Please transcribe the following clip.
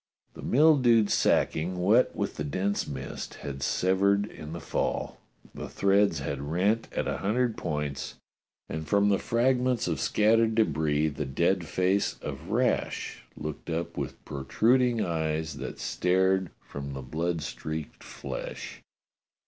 The mildewed sacking, wet with the dense mist, had severed in the fall; the threads had rent at a hundred points, and from the fragments of scattered debris the 238 DOCTOR SYN dead face of Rash looked up with protruding eyes that stared from the blood streaked flesh.